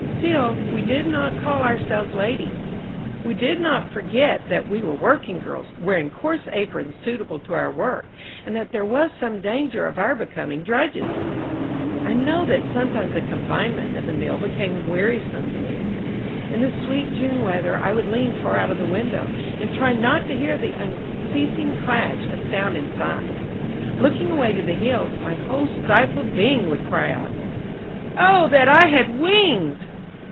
Still, we did not call ourselves ladies. We did not forget that we were working girls, wearing coarse aprons suitable to our work, and that there was some danger of our becoming drudges. I know that sometimes the confinement of the mill became very wearisome to me. In the sweet June weather I would lean far out of the window, and try not to hear the unceasing clash of sound inside. Looking away to the hills, my whole stifled being would cry out "Oh, that I had wings!"